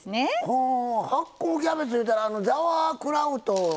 ほお発酵キャベツいうたら「ザワークラウト」のことですか？